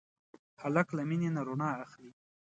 هلک له مینې نه رڼا اخلي.